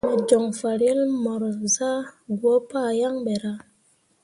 Me joŋ farel mor zah gwǝǝ pah yaŋ ɓe ra.